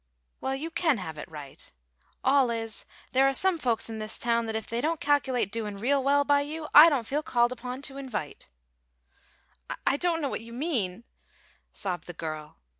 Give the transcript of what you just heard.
"Well, you can have it right. All is, there are some folks in this town that if they don't calculate doin' real well by you, I don't feel called upon to invite." "I don't know what you mean," sobbed the girl.